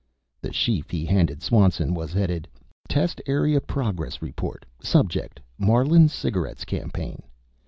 The sheaf he handed Swanson was headed: "Test Area Progress Report. Subject: Marlin Cigarettes Campaign."